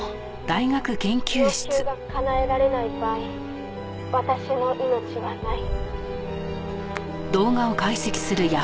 「要求がかなえられない場合私の命はない」